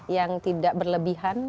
yang tidak berlebihan